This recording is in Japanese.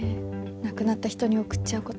亡くなった人に送っちゃうこと。